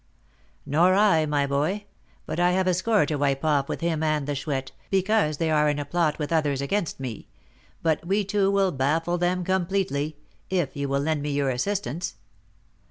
"Nor I, my boy; but I have a score to wipe off with him and the Chouette, because they are in a plot with others against me; but we two will baffle them completely, if you will lend me your assistance."